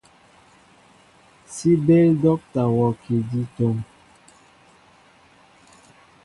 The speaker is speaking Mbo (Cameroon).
Si béél docta worki di tóm.